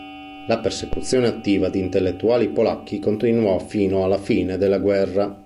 La persecuzione attiva di intellettuali polacchi continuò fino alla fine della guerra.